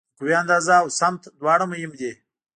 د قوې اندازه او سمت دواړه مهم دي.